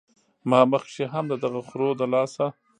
ما مخکښې هم د دغه خرو د لاسه